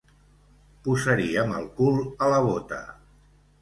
Posaríem el cul a la bóta.